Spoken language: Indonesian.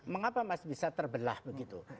mengapa masih bisa terbelah begitu